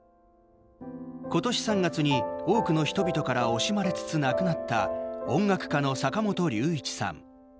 今年３月に、多くの人々から惜しまれつつ亡くなった音楽家の坂本龍一さん。